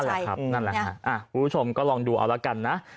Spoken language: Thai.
นั่นแหละครับคุณผู้ชมก็ลองดูเอาละกันนะ